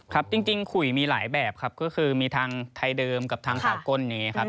ครับจริงขุยมีหลายแบบครับก็คือมีทางไทยเดิมกับทางสากลนี้ครับ